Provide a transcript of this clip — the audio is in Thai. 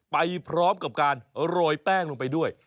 ไปพร้อมกับการโรยแป้งลงไปด้วย